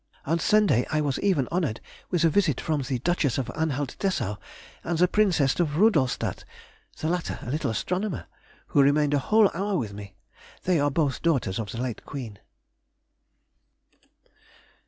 On Sunday I was even honoured with a visit from the Duchess of Anhalt Dessau and the Princess of Rudolstadt—the latter a little astronomer—who remained a whole hour with me. They are both daughters of the late Queen.